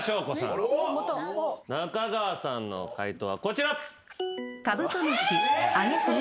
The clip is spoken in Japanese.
中川さんの解答はこちら。